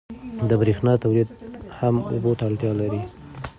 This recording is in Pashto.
د برېښنا تولید هم اوبو ته اړتیا لري.